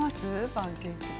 パンケーキに。